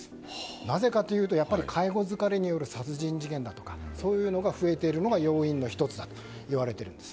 なぜかというと介護疲れによる殺人事件だとかそういうものが増えているのが要因の１つといわれています。